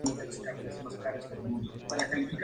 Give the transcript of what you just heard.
Crio a Laurie sola.